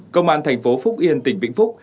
công an thành phố phúc yên tỉnh vĩnh phúc